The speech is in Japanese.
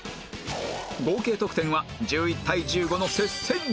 合計得点は１１対１５の接戦に